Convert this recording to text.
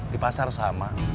di pasar sama